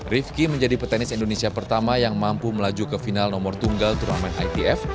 rifki menjadi petenis indonesia pertama yang mampu melaju ke final nomor tunggal turnamen itf